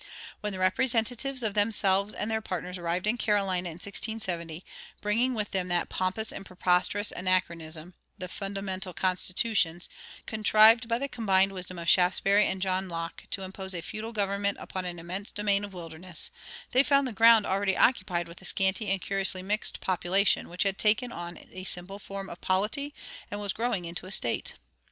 When the representatives of themselves and their partners arrived in Carolina in 1670, bringing with them that pompous and preposterous anachronism, the "Fundamental Constitutions," contrived by the combined wisdom of Shaftesbury and John Locke to impose a feudal government upon an immense domain of wilderness, they found the ground already occupied with a scanty and curiously mixed population, which had taken on a simple form of polity and was growing into a state.